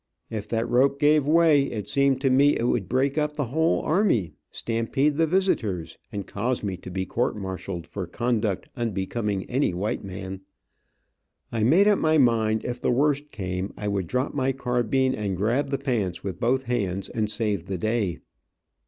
If that rope gave way, it seemed to me it would break up the whole army, stampede the visitors, and cause me to be court martialed for conduct unbecoming any white man. I made up my mind if the worst came, I would drop my carbine and grab the pants with both hands, and save the day.